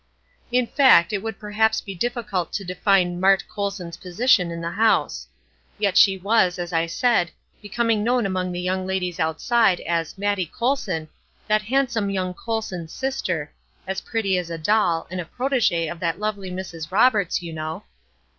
In fact, it would perhaps be difficult to define "Mart" Colon's position in the house. Yet she was, as I said, becoming known among the young ladies outside as "Mattie Colson, that handsome young Colson's sister; as pretty as a doll, and a protégé of that lovely Mrs. Roberts, you know."